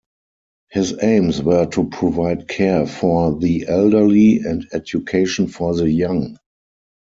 His aims were to provide care for the elderly and education for the young.